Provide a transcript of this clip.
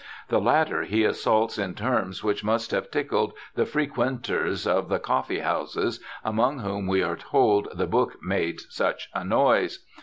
The latter he assaults in terms which must have tickled the frequenters of the coffee houses, among whom we are told the book made such a noise.